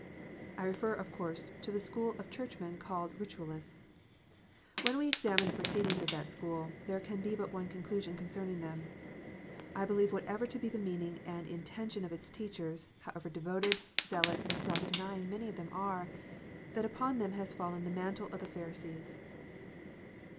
I refer, of course, to the school of Churchmen called Kitualists. When we examine the proceedings of that school, there can be but one conclusion concerning them. I believe whatever be the meaning and intention of its teachers, however devoted, zealous, and self denying many of them are, that upon them has fallen tho mantle of the Pharisees.